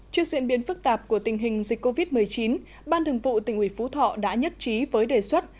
trước diễn biến phức tạp của tình hình dịch covid một mươi chín ban thường vụ tỉnh ủy phú thọ đã nhất trí với đề xuất